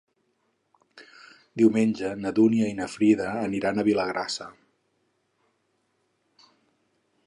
Diumenge na Dúnia i na Frida aniran a Vilagrassa.